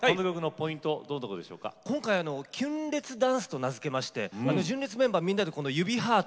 今回「キュン烈ダンス」と名付けまして純烈メンバーみんなでこの指ハート